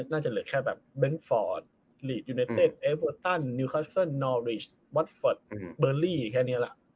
น่าจะเหลือแค่แบบแบนค์ฟอร์ดอืมเอเวอร์ตันนอริสต์แบบนี้แหละ